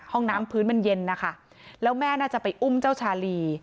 ห้องน้ำพื้นมันเย็นนะคะแล้วแม่น่าจะไปอุ้มเจ้าชาลี